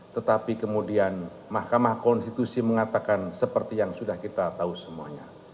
tetapi kemudian mahkamah konstitusi mengatakan seperti yang sudah kita tahu semuanya